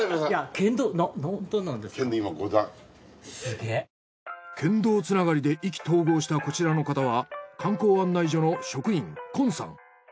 剣道つながりで意気投合したこちらの方は観光案内所の職員近さん。